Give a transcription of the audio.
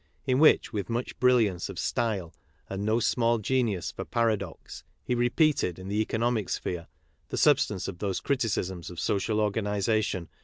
in which, with much brilliance of style and no small genius for paradox, he repeated in the economic sphere the sub stance of those criticisms of social organization which ' See A.